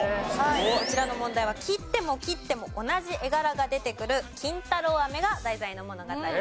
こちらの問題は切っても切っても同じ絵柄が出てくる金太郎飴が題材の物語でした。